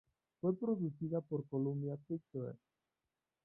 Fue producida por Columbia Pictures.